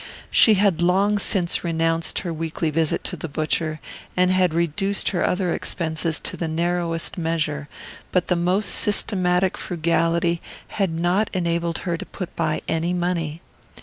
She had long since renounced her weekly visit to the butcher, and had reduced her other expenses to the narrowest measure; but the most systematic frugality had not enabled her to put by any money.